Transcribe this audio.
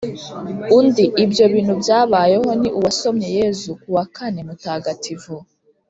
undi ibyo bintu byabayeho ni uwasomye yezu ku wa kane mutagatifu